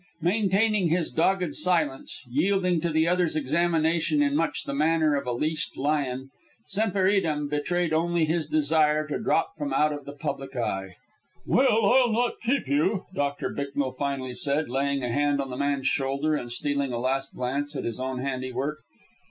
Maintaining his dogged silence, yielding to the other's examination in much the manner of a leashed lion, Semper Idem betrayed only his desire to drop from out of the public eye. "Well, I'll not keep you," Doctor Bicknell finally said, laying a hand on the man's shoulder and stealing a last glance at his own handiwork.